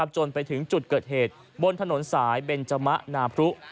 จนถึงจุดเกิดเหตุบนถนนสายเบนจมะนาพรุ